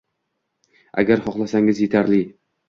Agar xohlasangiz, etarli